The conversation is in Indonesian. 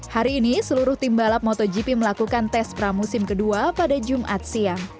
hari ini seluruh tim balap motogp melakukan tes pramusim kedua pada jumat siang